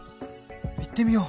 行ってみよう。